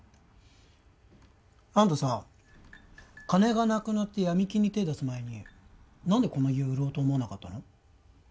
あんたさ金がなくなって闇金に手出す前に何でこの家を売ろうと思わなかったの？